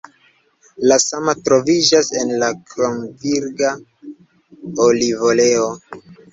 La sama troviĝas en la kromvirga olivoleo.